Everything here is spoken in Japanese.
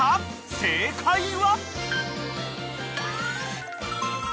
正解は］